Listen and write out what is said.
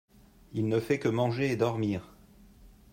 Il ne fait que manger et dormir.